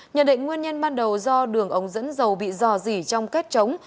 nhận định nguyên nhân ban đầu do đường ống dẫn dầu bị dò dỉ trong kết trống